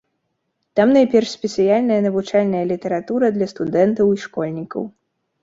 Там найперш спецыяльная навучальная літаратура для студэнтаў і школьнікаў.